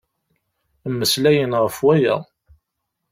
Mmeslayen ɣe waya.